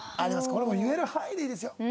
これもう言える範囲でいいですよ。